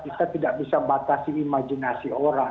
kita tidak bisa batasi imajinasi orang